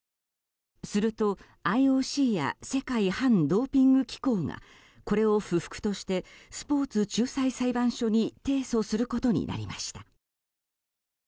すると、ＩＯＣや世界反ドーピング機構がこれを不服としてスポーツ仲裁裁判所に提訴することになりました。